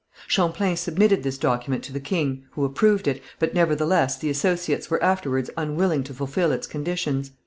Champlain submitted this document to the king, who approved it, but nevertheless the associates were afterwards unwilling to fulfil its conditions.